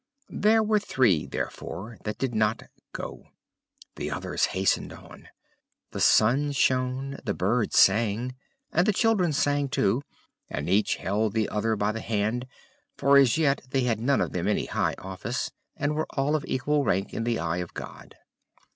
There were three, therefore, that did not go; the others hastened on. The sun shone, the birds sang, and the children sang too, and each held the other by the hand; for as yet they had none of them any high office, and were all of equal rank in the eye of God.